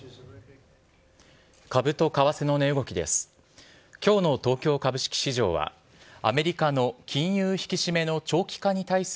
株と為替の値動きです。